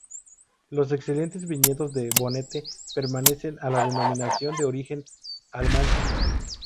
Los excelentes viñedos de Bonete pertenecen a la Denominación de Origen Almansa.